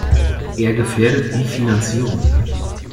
Er gefährdet die Finanzierung.